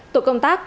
tổ công tác